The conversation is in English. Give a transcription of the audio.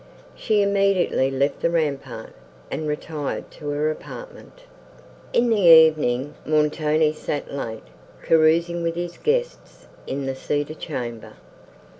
She immediately left the rampart, and retired to her apartment. In the evening, Montoni sat late, carousing with his guests in the cedar chamber.